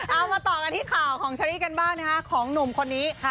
เอามาต่อกันที่ข่าวของเชอรี่กันบ้างนะคะของหนุ่มคนนี้